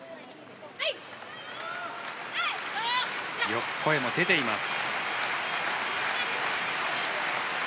よく声も出ています。